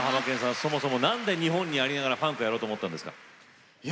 そもそも日本でありながらファンクをやろうと思ったんですか。